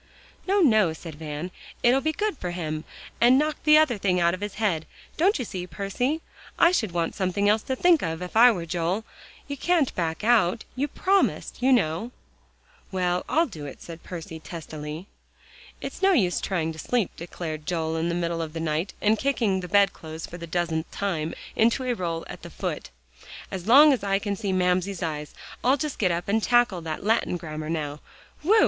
"No, no," said Van; "it'll be good for him, and knock the other thing out of his head, don't you see, Percy? I should want something else to think of if I were Joel. You can't back out; you promised, you know." "Well, and I'll do it," said Percy testily. "It's no use trying to sleep," declared Joel, in the middle of the night, and kicking the bed clothes for the dozenth time into a roll at the foot, "as long as I can see Mamsie's eyes. I'll just get up and tackle that Latin grammar now. Whew!